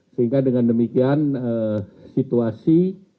sehingga dengan demikian situasi